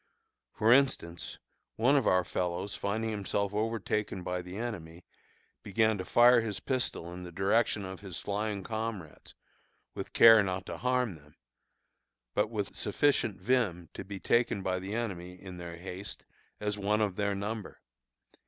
For instance, one of our fellows finding himself overtaken by the enemy, began to fire his pistol in the direction of his flying comrades (with care not to harm them), but with sufficient vim to be taken by the enemy, in their haste, as one of their number.